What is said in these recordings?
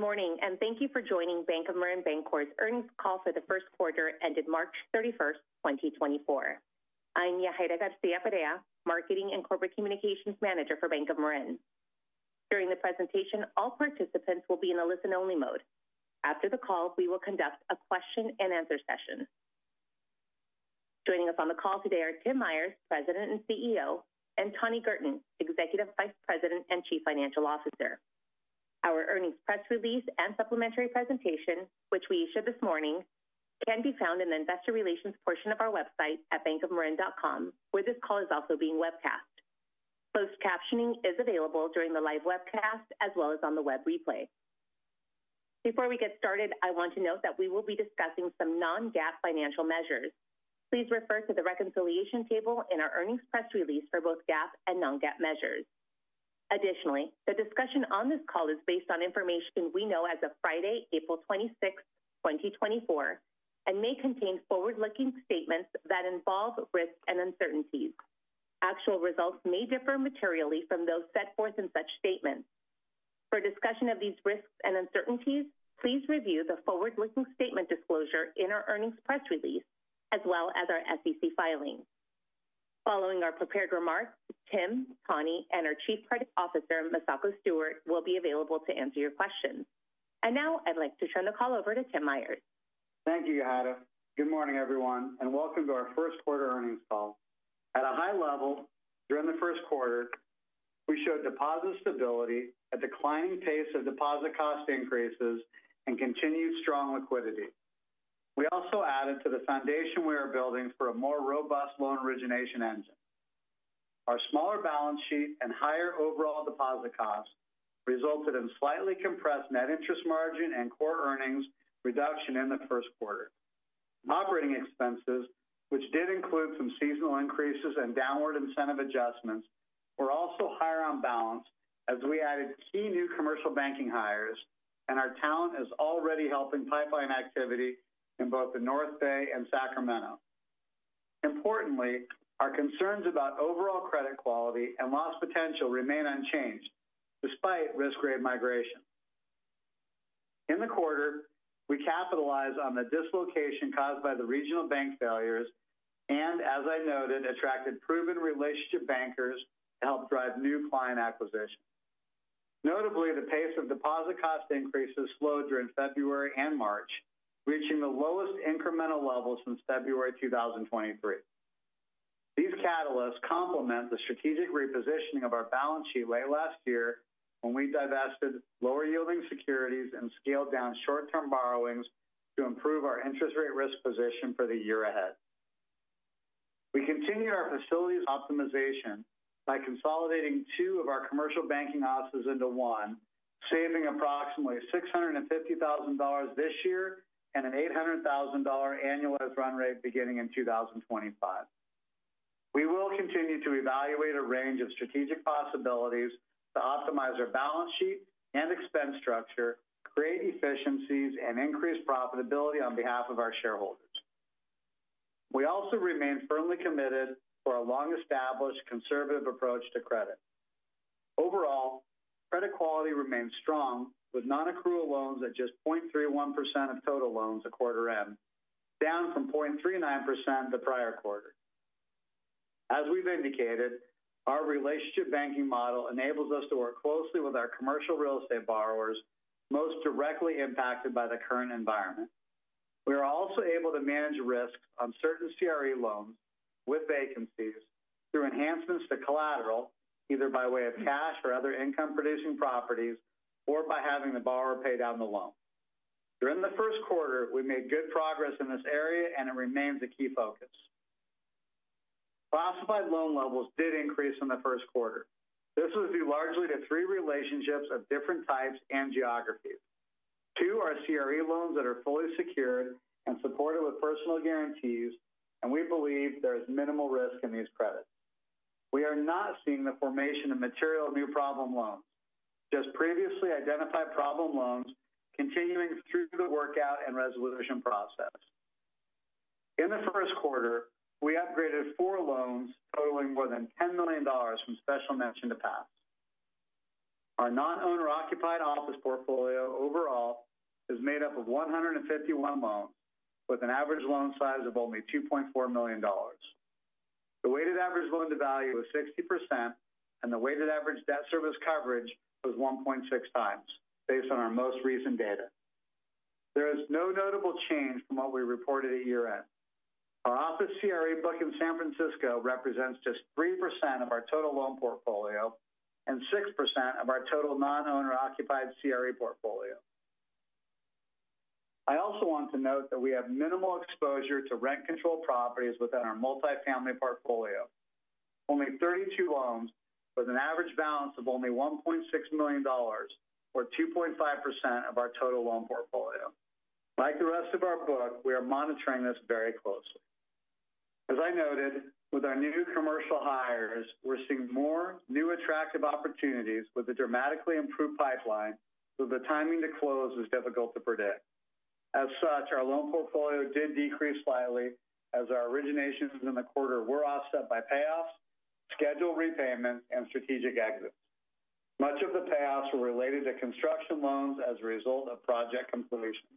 Good morning, and thank you for joining Bank of Marin Bancorp's earnings call for the Q1 ended March 31st, 2024. I'm Yahaira Garcia-Perea, Marketing and Corporate Communications Manager for Bank of Marin. During the presentation, all participants will be in a listen-only mode. After the call, we will conduct a question-and-answer session. Joining us on the call today are Tim Myers, President and CEO, and Tani Girton, Executive Vice President and Chief Financial Officer. Our earnings press release and supplementary presentation, which we issued this morning, can be found in the Investor Relations portion of our website at bankofmarin.com, where this call is also being webcast. Closed captioning is available during the live webcast as well as on the web replay. Before we get started, I want to note that we will be discussing some non-GAAP financial measures. Please refer to the reconciliation table in our earnings press release for both GAAP and non-GAAP measures. Additionally, the discussion on this call is based on information we know as of Friday, April 26th, 2024, and may contain forward-looking statements that involve risks and uncertainties. Actual results may differ materially from those set forth in such statements. For a discussion of these risks and uncertainties, please review the forward-looking statement disclosure in our earnings press release, as well as our SEC filings. Following our prepared remarks, Tim, Tani, and our Chief Credit Officer, Misako Stewart, will be available to answer your questions. And now I'd like to turn the call over to Tim Myers. Thank you, Yahaira. Good morning, everyone, and welcome to our Q1 earnings call. At a high level, during the Q1, we showed deposit stability, a declining pace of deposit cost increases, and continued strong liquidity. We also added to the foundation we are building for a more robust loan origination engine. Our smaller balance sheet and higher overall deposit costs resulted in slightly compressed net interest margin and core earnings reduction in the Q1. Operating expenses, which did include some seasonal increases and downward incentive adjustments, were also higher on balance as we added key new commercial banking hires, and our talent is already helping pipeline activity in both the North Bay and Sacramento. Importantly, our concerns about overall credit quality and loss potential remain unchanged despite risk-grade migration. In the quarter, we capitalized on the dislocation caused by the regional bank failures and, as I noted, attracted proven relationship bankers to help drive new client acquisition. Notably, the pace of deposit cost increases slowed during February and March, reaching the lowest incremental level since February 2023. These catalysts complement the strategic repositioning of our balance sheet late last year when we divested lower-yielding securities and scaled down short-term borrowings to improve our interest rate risk position for the year ahead. We continue our facilities optimization by consolidating two of our commercial banking offices into one, saving approximately $650,000 this year and an $800,000 annualized run rate beginning in 2025. We will continue to evaluate a range of strategic possibilities to optimize our balance sheet and expense structure, create efficiencies, and increase profitability on behalf of our shareholders. We also remain firmly committed to our long-established conservative approach to credit. Overall, credit quality remains strong, with nonaccrual loans at just 0.31% of total loans at quarter end, down from 0.39% the prior quarter. As we've indicated, our relationship banking model enables us to work closely with our commercial real estate borrowers most directly impacted by the current environment. We are also able to manage risks on certain CRE loans with vacancies through enhancements to collateral, either by way of cash or other income-producing properties, or by having the borrower pay down the loan. During the Q1, we made good progress in this area, and it remains a key focus. Classified loan levels did increase in the Q1. This was due largely to three relationships of different types and geographies. Two are CRE loans that are fully secured and supported with personal guarantees, and we believe there is minimal risk in these credits. We are not seeing the formation of material new problem loans, just previously identified problem loans continuing through the workout and resolution process. In the Q1, we upgraded four loans totaling more than $10 million from Special Mention to Pass. Our non-owner-occupied office portfolio overall is made up of 151 loans, with an average loan size of only $2.4 million. The weighted average loan-to-value was 60%, and the weighted average debt service coverage was 1.6 times, based on our most recent data. There is no notable change from what we reported at year-end. Our office CRE book in San Francisco represents just 3% of our total loan portfolio and 6% of our total non-owner-occupied CRE portfolio. I also want to note that we have minimal exposure to rent-controlled properties within our multifamily portfolio. Only 32 loans with an average balance of only $1.6 million, or 2.5% of our total loan portfolio. Like the rest of our book, we are monitoring this very closely. As I noted, with our new commercial hires, we're seeing more new attractive opportunities with a dramatically improved pipeline, so the timing to close is difficult to predict. As such, our loan portfolio did decrease slightly as our originations in the quarter were offset by payoffs, scheduled repayments, and strategic exits. Much of the payoffs were related to construction loans as a result of project completion.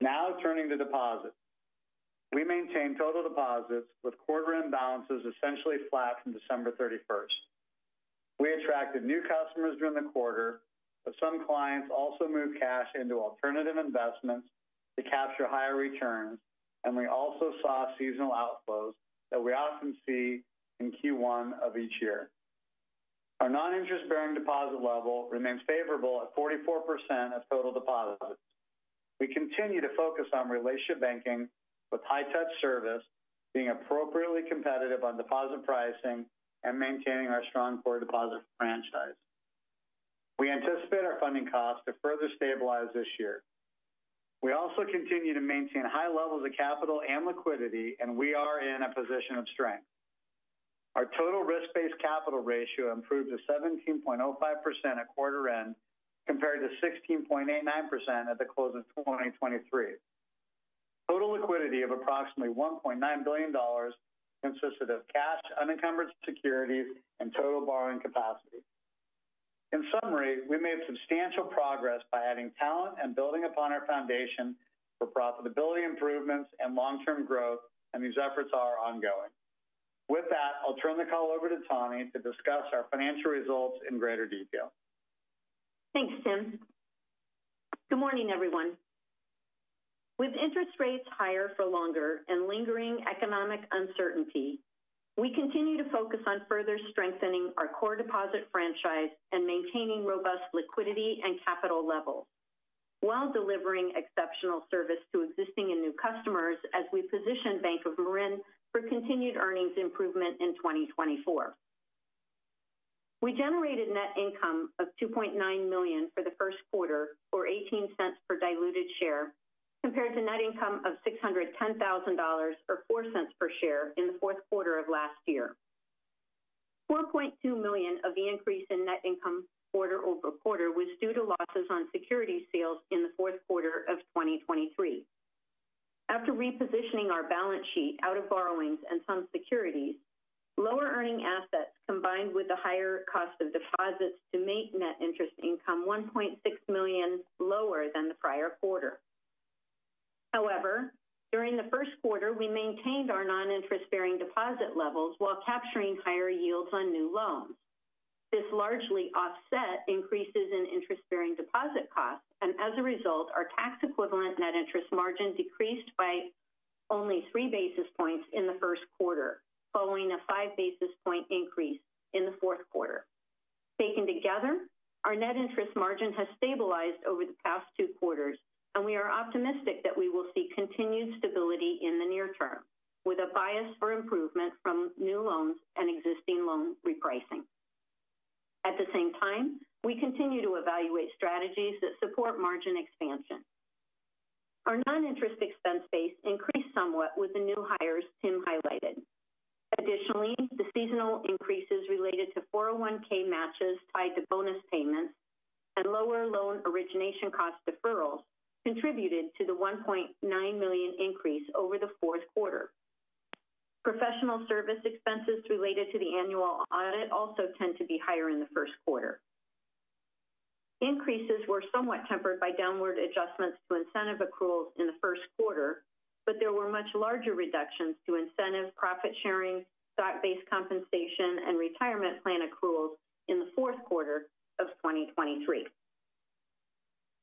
Now turning to deposits. We maintained total deposits with quarter-end balances essentially flat from December 31st. We attracted new customers during the quarter, but some clients also moved cash into alternative investments to capture higher returns, and we also saw seasonal outflows that we often see in Q1 of each year. Our non-interest-bearing deposit level remains favorable at 44% of total deposits. We continue to focus on relationship banking with high-touch service, being appropriately competitive on deposit pricing and maintaining our strong core deposit franchise. We anticipate our funding costs to further stabilize this year. We also continue to maintain high levels of capital and liquidity, and we are in a position of strength. Our total risk-based capital ratio improved to 17.05% at quarter end, compared to 16.89% at the close of 2023. Total liquidity of approximately $1.9 billion consisted of cash, unencumbered securities, and total borrowing capacity. In summary, we made substantial progress by adding talent and building upon our foundation for profitability improvements and long-term growth, and these efforts are ongoing. With that, I'll turn the call over to Tani to discuss our financial results in greater detail. Thanks, Tim. Good morning, everyone. With interest rates higher for longer and lingering economic uncertainty, we continue to focus on further strengthening our core deposit franchise and maintaining robust liquidity and capital levels while delivering exceptional service to existing and new customers as we position Bank of Marin for continued earnings improvement in 2024. We generated net income of $2.9 million for the Q1, or $0.18 per diluted share, compared to net income of $610,000 or $0.04 per share in the Q4 of last year. $4.2 million of the increase in net income quarter-over-quarter was due to losses on security sales in the Q4 of 2023. After repositioning our balance sheet out of borrowings and some securities, lower earning assets combined with the higher cost of deposits to make net interest income $1.6 million lower than the prior quarter. However, during the Q1, we maintained our non-interest-bearing deposit levels while capturing higher yields on new loans. This largely offset increases in interest-bearing deposit costs, and as a result, our tax-equivalent net interest margin decreased by only three basis points in the Q1, following a five basis point increase in the Q4. Taken together, our net interest margin has stabilized over the past two quarters, and we are optimistic that we will see continued stability in the near term, with a bias for improvement from new loans and existing loan repricing. At the same time, we continue to evaluate strategies that support margin expansion. Our non-interest expense base increased somewhat with the new hires Tim highlighted. Additionally, the seasonal increases related to 401(k) matches tied to bonus payments and lower loan origination cost deferrals contributed to the $1.9 million increase over the Q4. Professional service expenses related to the annual audit also tend to be higher in the Q1. Increases were somewhat tempered by downward adjustments to incentive accruals in the Q1, but there were much larger reductions to incentive, profit sharing, stock-based compensation, and retirement plan accruals in the Q4 of 2023.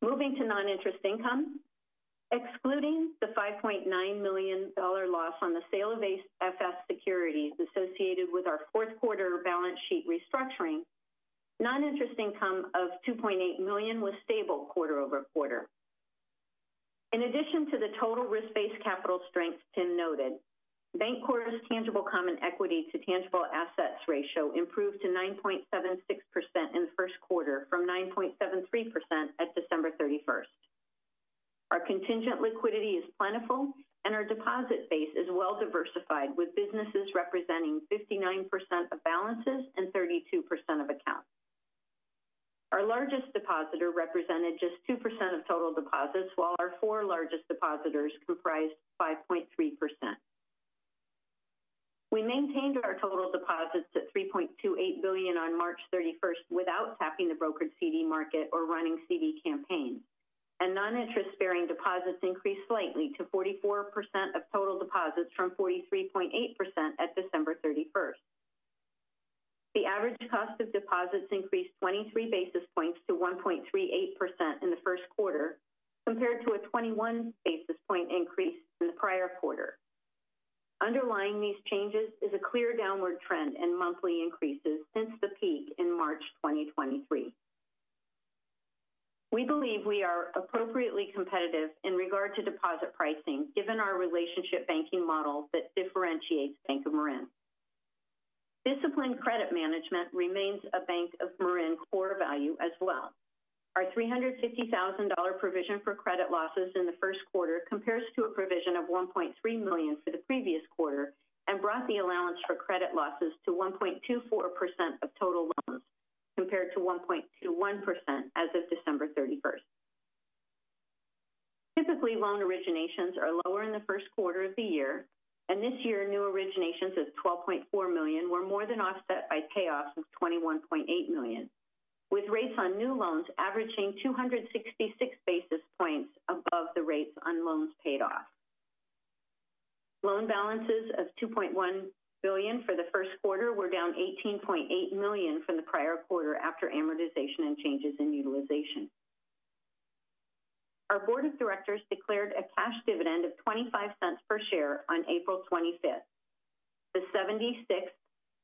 Moving to non-interest income. Excluding the $5.9 million loss on the sale of AFS securities associated with our Q4 balance sheet restructuring, non-interest income of $2.8 million was stable quarter-over-quarter. In addition to the total risk-based capital strength Tim noted, Bank of Marin's tangible common equity to tangible assets ratio improved to 9.76% in the Q1 from 9.73% at December 31st. Our contingent liquidity is plentiful, and our deposit base is well diversified, with businesses representing 59% of balances and 32% of accounts. Our largest depositor represented just 2% of total deposits, while our four largest depositors comprised 5.3%. We maintained our total deposits at $3.28 billion on March 31st without tapping the brokered CD market or running CD campaigns, and non-interest-bearing deposits increased slightly to 44% of total deposits from 43.8% at December 31st. The average cost of deposits increased 23 basis points to 1.38% in the Q1, compared to a 21 basis point increase in the prior quarter. Underlying these changes is a clear downward trend in monthly increases since the peak in March 2023. We believe we are appropriately competitive in regard to deposit pricing, given our relationship banking model that differentiates Bank of Marin. Disciplined credit management remains a Bank of Marin core value as well. Our $350,000 provision for credit losses in the Q1 compares to a provision of $1.3 million for the previous quarter and brought the allowance for credit losses to 1.24% of total loans... compared to 1.21% as of December 31st. Typically, loan originations are lower in the Q1 of the year, and this year, new originations of $12.4 million were more than offset by payoffs of $21.8 million, with rates on new loans averaging 266 basis points above the rates on loans paid off. Loan balances of $2.1 billion for the Q1 were down $18.8 million from the prior quarter after amortization and changes in utilization. Our board of directors declared a cash dividend of $0.25 per share on April 25th, the 76th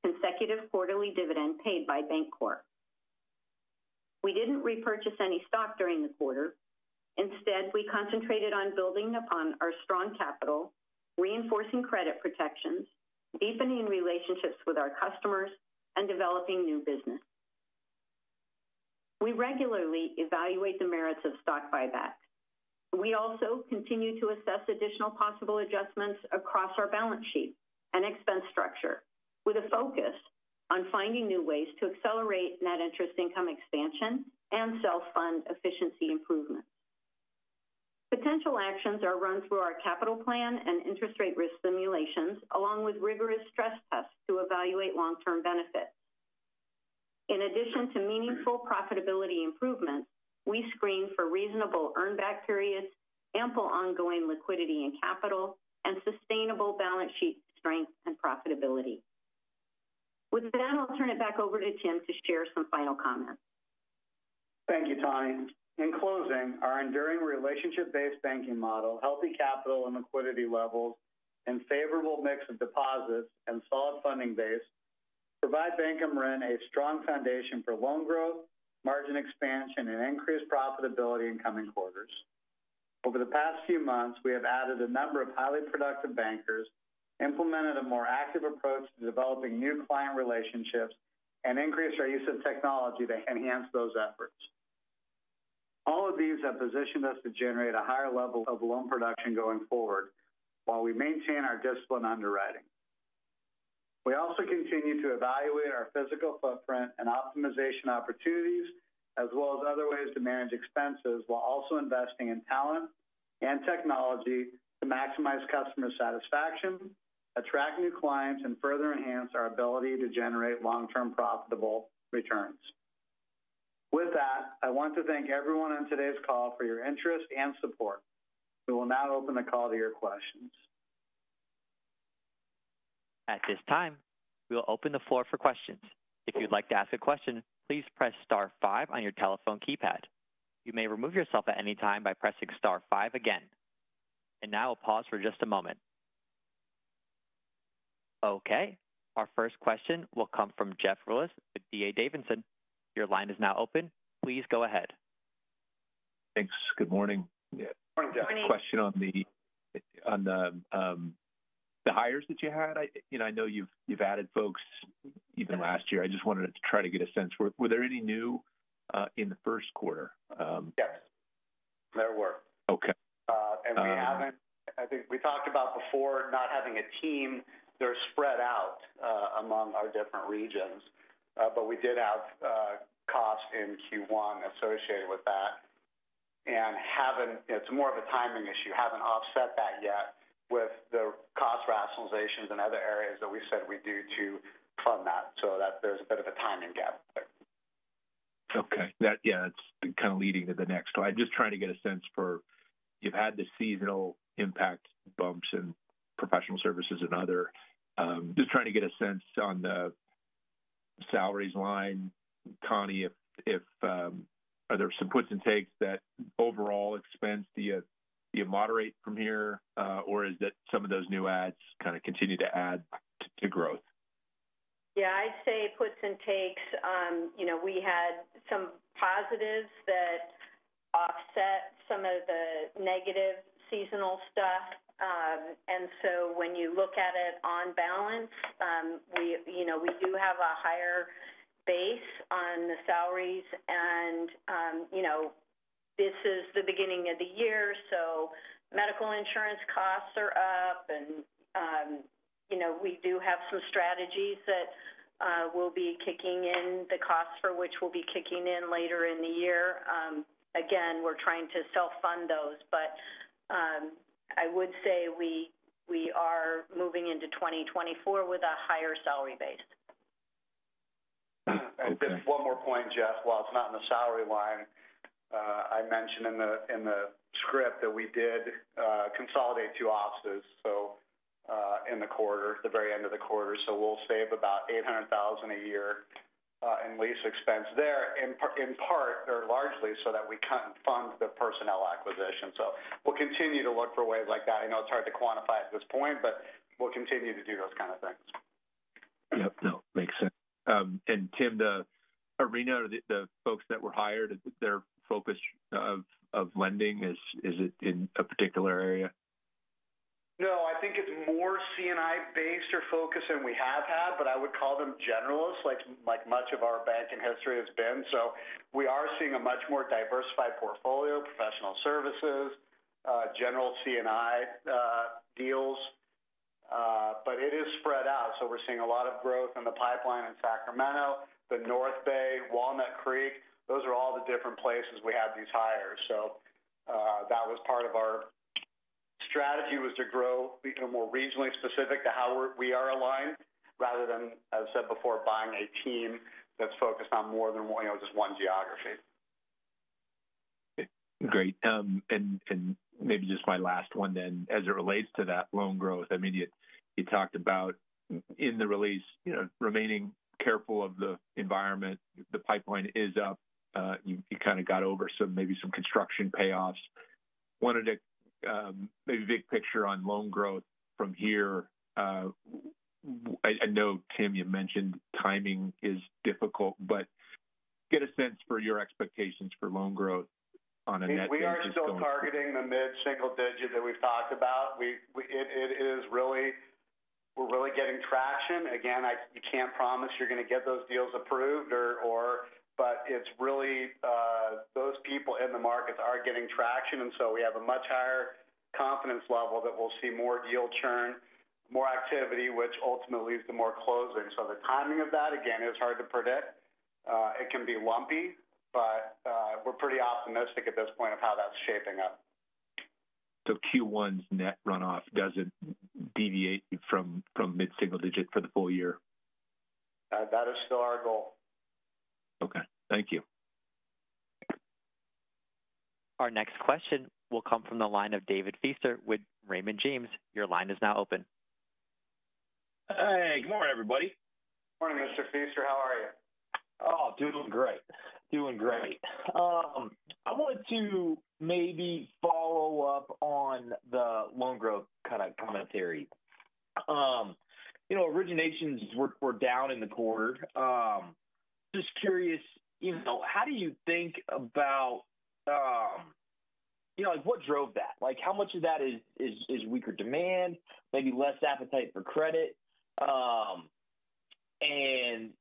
consecutive quarterly dividend paid by Bancorp. We didn't repurchase any stock during the quarter. Instead, we concentrated on building upon our strong capital, reinforcing credit protections, deepening relationships with our customers, and developing new business. We regularly evaluate the merits of stock buybacks. We also continue to assess additional possible adjustments across our balance sheet and expense structure, with a focus on finding new ways to accelerate net interest income expansion and self-fund efficiency improvements. Potential actions are run through our capital plan and interest rate risk simulations, along with rigorous stress tests to evaluate long-term benefits. In addition to meaningful profitability improvements, we screen for reasonable earn-back periods, ample ongoing liquidity and capital, and sustainable balance sheet strength and profitability. With that, I'll turn it back over to Tim to share some final comments. Thank you, Tani. In closing, our enduring relationship-based banking model, healthy capital and liquidity levels, and favorable mix of deposits and solid funding base provide Bancorp a strong foundation for loan growth, margin expansion, and increased profitability in coming quarters. Over the past few months, we have added a number of highly productive bankers, implemented a more active approach to developing new client relationships, and increased our use of technology to enhance those efforts. All of these have positioned us to generate a higher level of loan production going forward while we maintain our disciplined underwriting. We also continue to evaluate our physical footprint and optimization opportunities, as well as other ways to manage expenses, while also investing in talent and technology to maximize customer satisfaction, attract new clients, and further enhance our ability to generate long-term profitable returns. With that, I want to thank everyone on today's call for your interest and support. We will now open the call to your questions. At this time, we will open the floor for questions. If you'd like to ask a question, please press star five on your telephone keypad. You may remove yourself at any time by pressing star five again. Now we'll pause for just a moment. Okay, our first question will come from Jeff Rulis with D.A. Davidson. Your line is now open. Please go ahead. Thanks. Good morning. Good morning. Question on the hires that you had. You know, I know you've added folks even last year. I just wanted to try to get a sense, were there any new in the Q1? Yes, there were. Okay. We haven't, I think we talked about before, not having a team. They're spread out among our different regions. But we did have costs in Q1 associated with that and haven't. It's more of a timing issue. Haven't offset that yet with the cost rationalizations and other areas that we said we'd do to fund that, so that there's a bit of a timing gap there. Okay. That, yeah, it's kind of leading to the next. So I'm just trying to get a sense for... You've had the seasonal impact bumps in professional services and other, just trying to get a sense on the salaries line, Tani, if, if, are there some puts and takes that overall expense, do you, do you moderate from here, or is that some of those new adds kind of continue to add to, to growth? Yeah, I'd say puts and takes. You know, we had some positives that offset some of the negative seasonal stuff. And so when you look at it on balance, we, you know, we do have a higher base on the salaries and, you know, this is the beginning of the year, so medical insurance costs are up. And, you know, we do have some strategies that will be kicking in, the costs for which will be kicking in later in the year. Again, we're trying to self-fund those, but, I would say we, we are moving into 2024 with a higher salary base. Okay. Just one more point, Jeff. While it's not in the salary line, I mentioned in the, in the script that we did consolidate two offices, so in the quarter, the very end of the quarter. So we'll save about $800,000 a year in lease expense there, in part or largely, so that we can fund the personnel acquisition. So we'll continue to look for ways like that. I know it's hard to quantify at this point, but we'll continue to do those kind of things. Yep. No, makes sense. And Tim, the area, the folks that were hired, their focus of lending, is it in a particular area? No, I think it's more C&I based or focus than we have had, but I would call them generalists, like, like much of our banking history has been. So we are seeing a much more diversified portfolio, professional services, general C&I, deals.... but it is spread out, so we're seeing a lot of growth in the pipeline in Sacramento, the North Bay, Walnut Creek. Those are all the different places we have these hires. So, that was part of our strategy, was to grow, become more regionally specific to how we are aligned, rather than, as I said before, buying a team that's focused on more than one, you know, just one geography. Great. And maybe just my last one then. As it relates to that loan growth, I mean, you talked about in the release, you know, remaining careful of the environment. The pipeline is up. You kind of got over some, maybe some construction payoffs. Wanted to maybe big picture on loan growth from here. I know, Tim, you mentioned timing is difficult, but get a sense for your expectations for loan growth on a net basis. We are still targeting the mid-single digit that we've talked about. It is really - we're really getting traction. Again, you can't promise you're going to get those deals approved or... but it's really, those people in the markets are getting traction, and so we have a much higher confidence level that we'll see more deal churn, more activity, which ultimately leads to more closings. So the timing of that, again, is hard to predict. It can be lumpy, but, we're pretty optimistic at this point of how that's shaping up. So Q1's net runoff doesn't deviate from mid-single digit for the full year? That is still our goal. Okay, thank you. Our next question will come from the line of David Feaster with Raymond James. Your line is now open. Hey, good morning, everybody. Morning, Mr. Feaster. How are you? Oh, doing great. Doing great. I wanted to maybe follow up on the loan growth kind of commentary. You know, originations were down in the quarter. Just curious, you know, how do you think about, you know, like, what drove that? Like, how much of that is weaker demand, maybe less appetite for credit?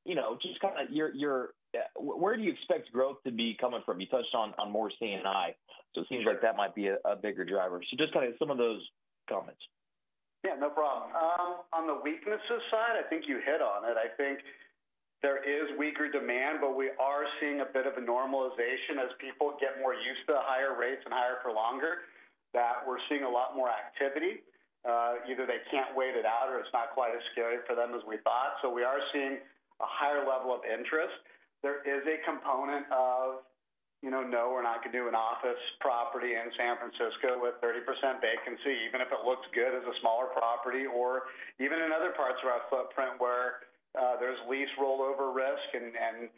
You know, just kind of your where do you expect growth to be coming from? You touched on more C&I- Sure. So it seems like that might be a bigger driver. So just kind of some of those comments. Yeah, no problem. On the weaknesses side, I think you hit on it. I think there is weaker demand, but we are seeing a bit of a normalization as people get more used to the higher rates and higher for longer, that we're seeing a lot more activity. Either they can't wait it out or it's not quite as scary for them as we thought. So we are seeing a higher level of interest. There is a component of, you know, no, we're not going to do an office property in San Francisco with 30% vacancy, even if it looks good as a smaller property, or even in other parts of our footprint where there's lease rollover risk and,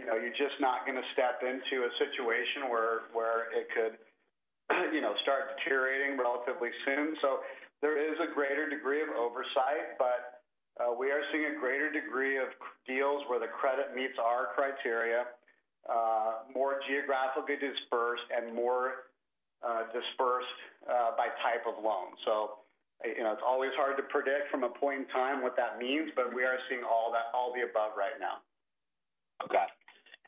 you know, you're just not going to step into a situation where it could, you know, start deteriorating relatively soon. So there is a greater degree of oversight, but we are seeing a greater degree of deals where the credit meets our criteria, more geographically dispersed and more dispersed by type of loan. So, you know, it's always hard to predict from a point in time what that means, but we are seeing all that, all the above right now. Okay.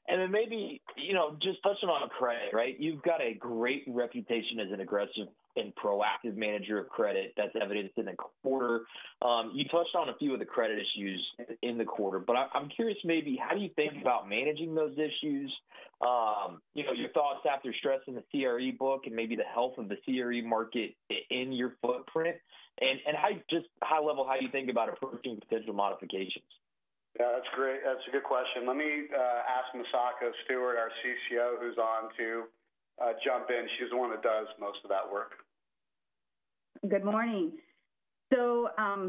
And then maybe, you know, just touching on the credit, right? You've got a great reputation as an aggressive and proactive manager of credit. That's evidenced in the quarter. You touched on a few of the credit issues in the quarter, but I'm curious maybe how do you think about managing those issues? You know, your thoughts after stressing the CRE book and maybe the health of the CRE market in your footprint. And how, just high level, how you think about approaching potential modifications. Yeah, that's great. That's a good question. Let me ask Misako Stewart, our CCO, who's on, to jump in. She's the one that does most of that work. Good morning. So,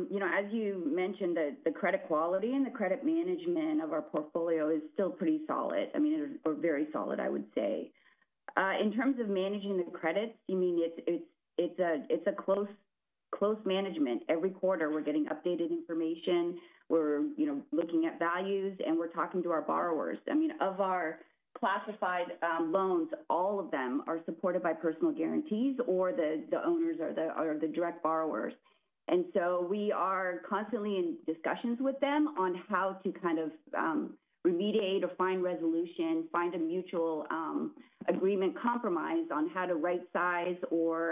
you know, as you mentioned, the credit quality and the credit management of our portfolio is still pretty solid. I mean, it is, or very solid, I would say. In terms of managing the credits, you mean it's a close management. Every quarter, we're getting updated information. We're, you know, looking at values, and we're talking to our borrowers. I mean, of our classified loans, all of them are supported by personal guarantees or the owners are the direct borrowers. And so we are constantly in discussions with them on how to kind of remediate or find resolution, find a mutual agreement, compromise on how to rightsize or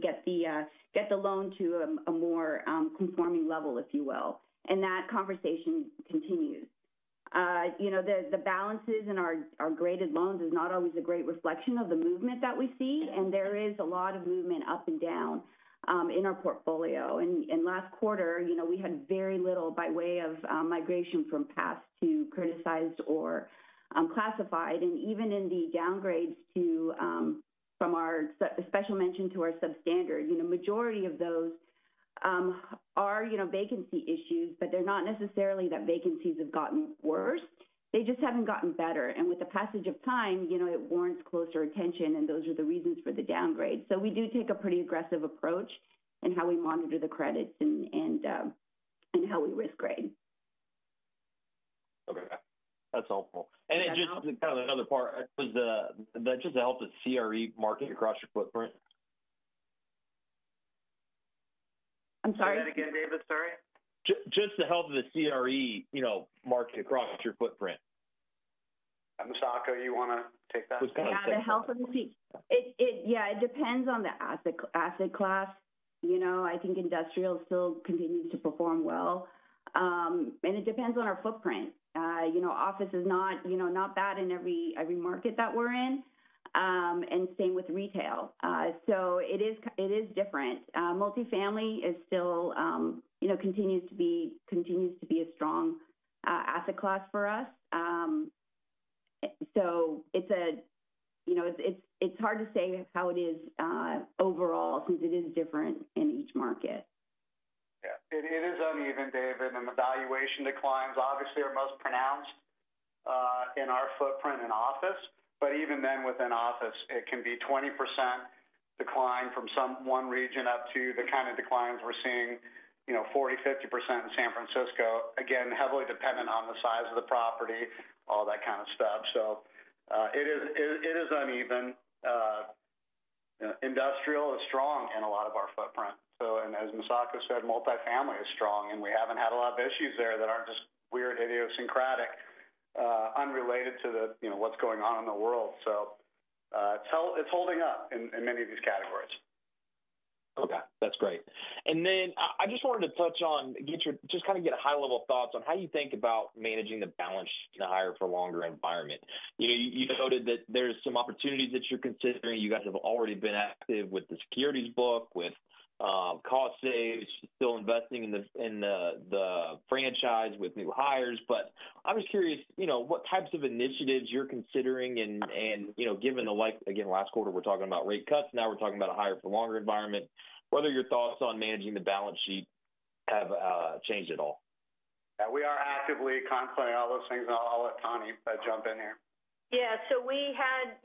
get the loan to a more conforming level, if you will. And that conversation continues. You know, the balances in our graded loans is not always a great reflection of the movement that we see, and there is a lot of movement up and down in our portfolio. And last quarter, you know, we had very little by way of migration from Pass to criticized or classified. And even in the downgrades from our Special Mention to our Substandard, you know, majority of those are, you know, vacancy issues, but they're not necessarily that vacancies have gotten worse. They just haven't gotten better. And with the passage of time, you know, it warrants closer attention, and those are the reasons for the downgrade. So we do take a pretty aggressive approach in how we monitor the credits and how we risk grade. Okay. That's helpful. Yeah. Then just kind of another part was just the health of CRE market across your footprint? I'm sorry? Say that again, David. Sorry. Just the health of the CRE, you know, market across your footprint.... and Misako, you wanna take that? Yeah, the health of the CRE. Yeah, it depends on the asset class. You know, I think industrial still continues to perform well. And it depends on our footprint. You know, office is not, you know, not bad in every market that we're in, and same with retail. So it is different. Multifamily is still, you know, continues to be, continues to be a strong asset class for us. So it's a, you know, it's hard to say how it is overall, since it is different in each market. Yeah, it is uneven, David, and the valuation declines obviously are most pronounced in our footprint in office. But even then, within office, it can be 20% decline from some one region up to the kind of declines we're seeing, you know, 40%-50% in San Francisco. Again, heavily dependent on the size of the property, all that kind of stuff. So, it is uneven. Industrial is strong in a lot of our footprint. So and as Misako said, multifamily is strong, and we haven't had a lot of issues there that aren't just weird, idiosyncratic, unrelated to the, you know, what's going on in the world. So, it's holding up in many of these categories. Okay, that's great. And then I just wanted to touch on, get your just kind of get a high-level thoughts on how you think about managing the balance in the higher for longer environment. You know, you noted that there's some opportunities that you're considering. You guys have already been active with the securities book, with cost saves, still investing in the franchise with new hires. But I'm just curious, you know, what types of initiatives you're considering and, you know, given like, again, last quarter, we're talking about rate cuts, now we're talking about a higher for longer environment, whether your thoughts on managing the balance sheet have changed at all? Yeah, we are actively contemplating all those things, and I'll let Tani jump in here. Yeah, so we had,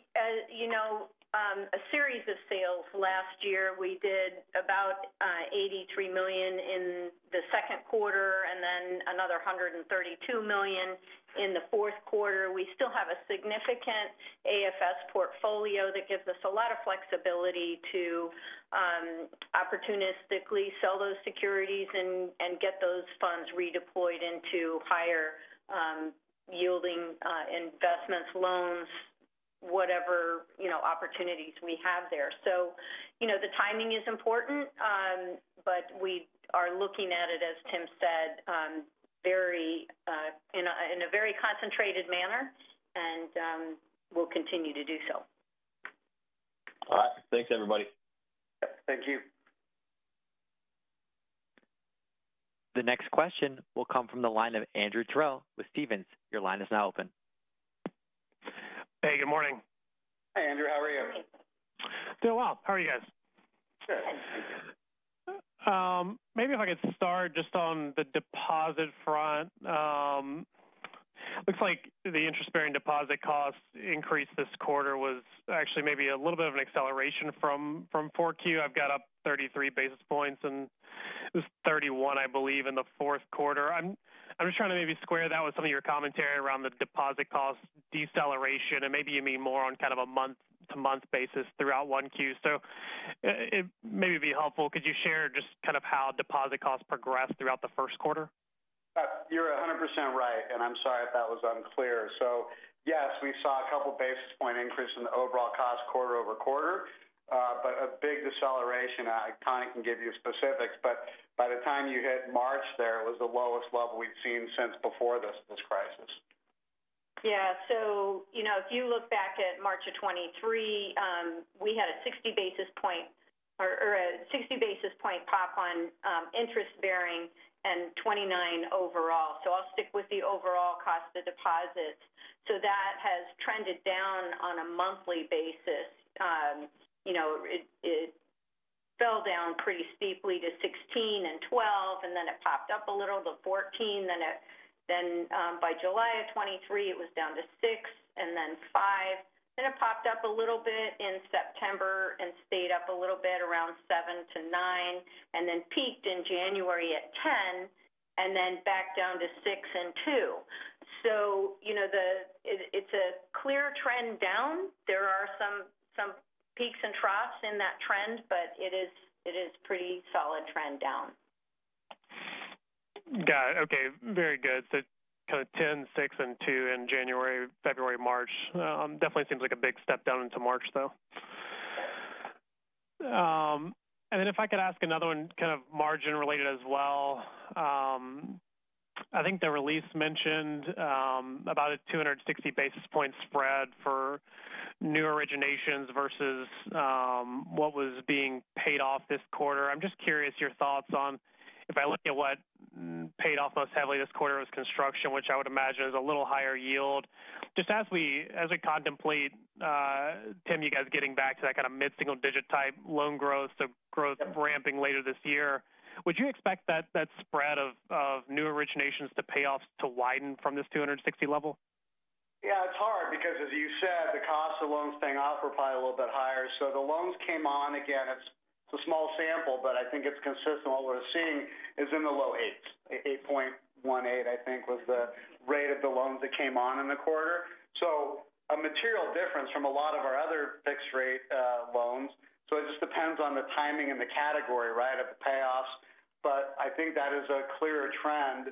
you know, a series of sales last year. We did about $83 million in the Q2 and then another $132 million in the Q4. We still have a significant AFS portfolio that gives us a lot of flexibility to opportunistically sell those securities and get those funds redeployed into higher yielding investments, loans, whatever, you know, opportunities we have there. So, you know, the timing is important, but we are looking at it, as Tim said, very in a very concentrated manner, and we'll continue to do so. All right. Thanks, everybody. Thank you. The next question will come from the line of Andrew Terrell with Stephens. Your line is now open. Hey, good morning. Hi, Andrew. How are you? Doing well. How are you guys? Good. Maybe if I could start just on the deposit front. Looks like the interest-bearing deposit cost increase this quarter was actually maybe a little bit of an acceleration from Q4. I've got up 33 basis points, and it was 31, I believe, in the Q4. I'm just trying to maybe square that with some of your commentary around the deposit cost deceleration, and maybe you mean more on kind of a month-to-month basis throughout Q1. So, it maybe be helpful. Could you share just kind of how deposit costs progressed throughout the Q1? You're 100% right, and I'm sorry if that was unclear. So yes, we saw a couple basis points increase in the overall cost quarter-over-quarter, but a big deceleration. Tani can give you specifics, but by the time you hit March, there it was the lowest level we've seen since before this crisis. Yeah. So, you know, if you look back at March of 2023, we had a 60 basis point or, or a 60 basis point pop on interest bearing and 29 overall. So I'll stick with the overall cost of deposits. So that has trended down on a monthly basis. You know, it, it fell down pretty steeply to 16 and 12, and then it popped up a little to 14. Then it, then, by July of 2023, it was down to six and then five, then it popped up a little bit in September and stayed up a little bit around seven to nine, and then peaked in January at 10, and then back down to six and two. So you know, the, it's a clear trend down. There are some peaks and troughs in that trend, but it is pretty solid trend down. Got it. Okay, very good. So kind of 10, six, and two in January, February, March. Definitely seems like a big step down into March, though. And then if I could ask another one, kind of margin related as well. I think the release mentioned about a 260 basis point spread for new originations versus what was being paid off this quarter. I'm just curious your thoughts on if I look at what paid off most heavily this quarter was construction, which I would imagine is a little higher yield. Just as we contemplate, Tim, you guys getting back to that kind of mid-single digit type loan growth, so growth ramping later this year, would you expect that spread of new originations to payoffs to widen from this 260 level? Yeah, it's hard because, as you said, the cost of loans paying off are probably a little bit higher. So the loans came on. Again, it's a small sample, but I think it's consistent. What we're seeing is in the low 8s, 8.18, I think was the rate of the loans that came on in the quarter. So a material difference from a lot of our other fixed-rate loans. So it just depends on the timing and the category, right, of the payoffs.... I think that is a clear trend.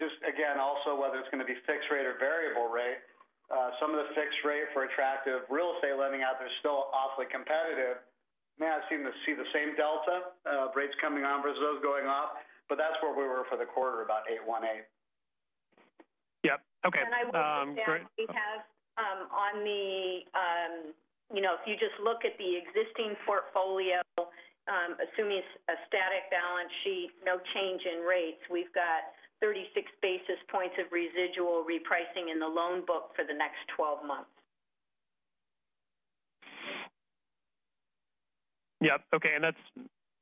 Just again, also whether it's going to be fixed rate or variable rate. Some of the fixed rate for attractive real estate lending out there is still awfully competitive. Maybe I'm seeing the same delta, rates coming on versus those going off, but that's where we were for the quarter, about 8.18. Yep. Okay, great- I will add that we have, on the, you know, if you just look at the existing portfolio, assuming a static balance sheet, no change in rates, we've got 36 basis points of residual repricing in the loan book for the next 12 months. Yep. Okay. And that's,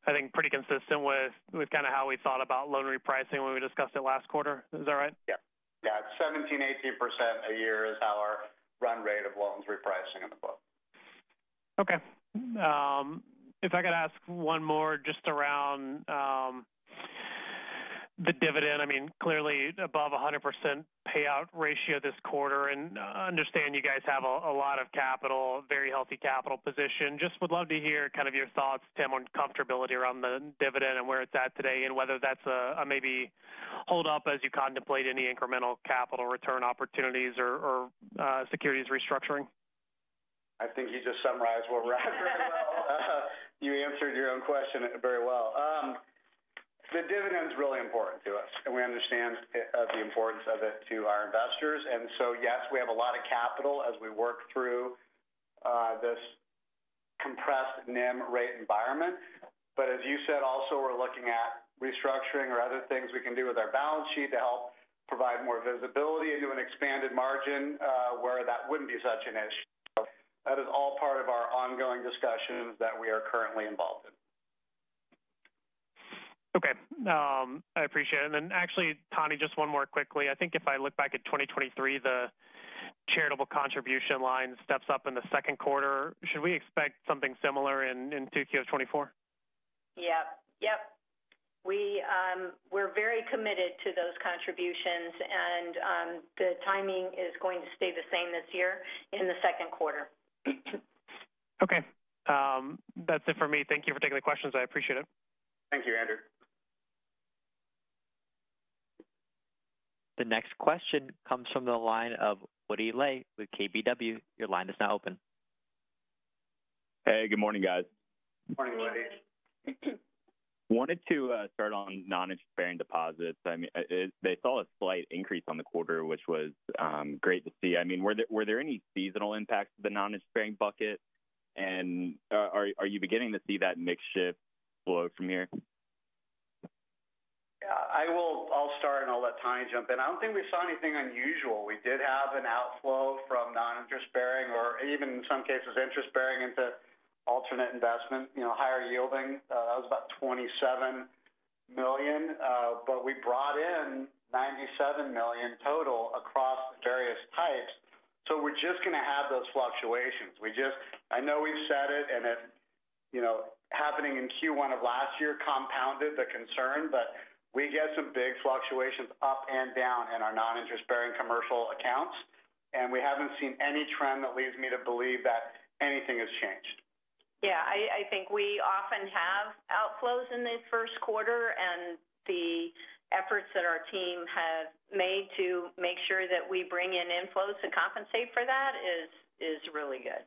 I think, pretty consistent with kind of how we thought about loan repricing when we discussed it last quarter. Is that right? Yep. Yeah. 17%-18% a year is our run rate of loans repricing in the book. Okay. If I could ask one more just around the dividend. I mean, clearly above 100% payout ratio this quarter, and I understand you guys have a lot of capital, very healthy capital position. Just would love to hear kind of your thoughts, Tim, on comfortability around the dividend and where it's at today, and whether that's a maybe hold up as you contemplate any incremental capital return opportunities or securities restructuring. You answered your own question very well. The dividend is really important to us, and we understand the importance of it to our investors. And so, yes, we have a lot of capital as we work through this compressed NIM rate environment. But as you said, also, we're looking at restructuring or other things we can do with our balance sheet to help provide more visibility into an expanded margin, where that wouldn't be such an issue. That is all part of our ongoing discussions that we are currently involved in. Okay, I appreciate it. And then actually, Tani, just one more quickly. I think if I look back at 2023, the charitable contribution line steps up in the Q2. Should we expect something similar in Q2 2024? Yep. Yep. We're very committed to those contributions, and the timing is going to stay the same this year in the Q2. Okay. That's it for me. Thank you for taking the questions. I appreciate it. Thank you, Andrew. The next question comes from the line of Woody Lay with KBW. Your line is now open. Hey, good morning, guys. Morning, Woody. Wanted to start on non-interest bearing deposits. I mean, they saw a slight increase on the quarter, which was great to see. I mean, were there any seasonal impacts to the non-interest bearing bucket? And, are you beginning to see that mix shift flow from here? Yeah, I'll start, and I'll let Tani jump in. I don't think we saw anything unusual. We did have an outflow from non-interest bearing or even in some cases, interest bearing into alternate investment, you know, higher yielding. That was about $27 million, but we brought in $97 million total across various types. So we're just going to have those fluctuations. We just—I know we've said it, and it, you know, happening in Q1 of last year compounded the concern, but we get some big fluctuations up and down in our non-interest bearing commercial accounts, and we haven't seen any trend that leads me to believe that anything has changed. Yeah, I think we often have outflows in the Q1, and the efforts that our team have made to make sure that we bring in inflows to compensate for that is really good.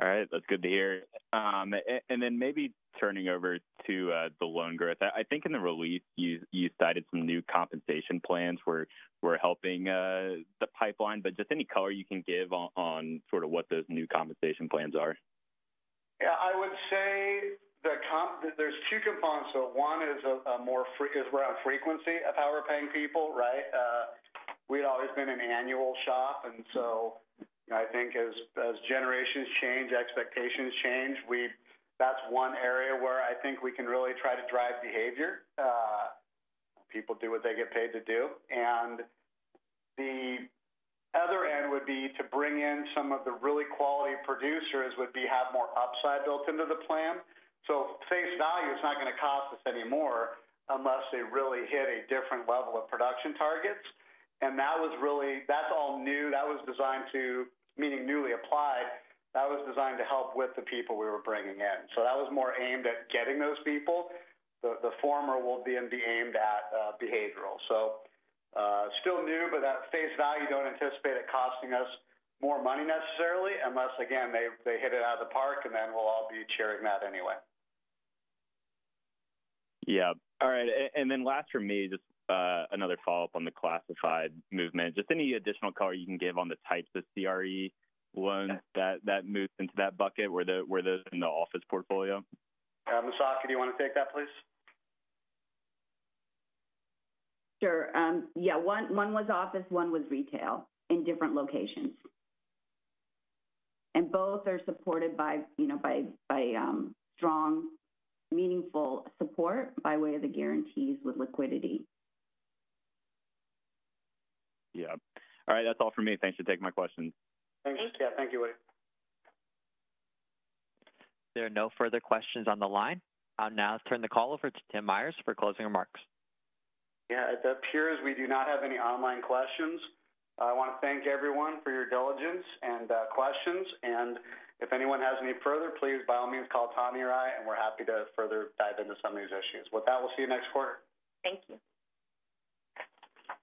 All right. That's good to hear. And then maybe turning over to the loan growth. I think in the release, you cited some new compensation plans were helping the pipeline. But just any color you can give on sort of what those new compensation plans are? Yeah, I would say the comp—there's two components. So one is a more frequent one is around frequency of how we're paying people, right? We'd always been an annual shop, and so I think as generations change, expectations change. That's one area where I think we can really try to drive behavior. People do what they get paid to do. And the other end would be to bring in some of the really quality producers, have more upside built into the plan. So face value, it's not going to cost us any more unless they really hit a different level of production targets. And that was really—that's all new. That was designed to... Meaning newly applied. That was designed to help with the people we were bringing in. So that was more aimed at getting those people. The former will then be aimed at behavioral. So, still new, but at face value, don't anticipate it costing us more money necessarily, unless, again, they hit it out of the park, and then we'll all be cheering that anyway. Yeah. All right, and then last for me, just another follow-up on the classified movement. Just any additional color you can give on the types of CRE loans that moved into that bucket? Were those in the office portfolio? Misako, do you want to take that, please? Sure. Yeah, one was office, one was retail, in different locations. And both are supported by, you know, strong, meaningful support by way of the guarantees with liquidity. Yeah. All right, that's all for me. Thanks for taking my questions. Thanks. Yeah, thank you, Woody. There are no further questions on the line. I'll now turn the call over to Tim Myers for closing remarks. Yeah, it appears we do not have any online questions. I want to thank everyone for your diligence and questions, and if anyone has any further, please, by all means, call Tani or I, and we're happy to further dive into some of these issues. With that, we'll see you next quarter. Thank you.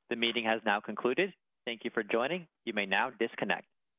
The meeting has now concluded. Thank you for joining. You may now disconnect.